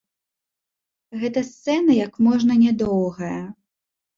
Гэта сцэна як можна нядоўгая.